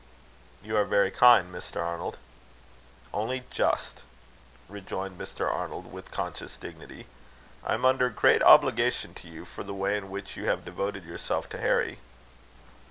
"You are very kind, Mr. Arnold." "Only just," rejoined Mr. Arnold, with conscious dignity. "I am under great obligation to you for the way in which you have devoted yourself to Harry."